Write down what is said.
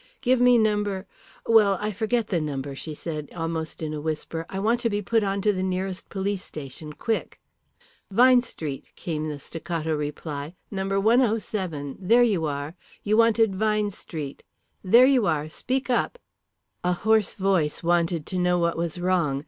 "Give me number well, I forget the number," she said almost in a whisper. "I want to be put on to the nearest police station quick." "Vine Street," came the staccato reply. "Number 107 there you are. You are wanted Vine Street. ... There you are speak up." A hoarse voice wanted to know what was wrong.